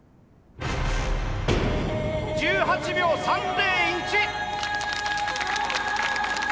１８秒３０１。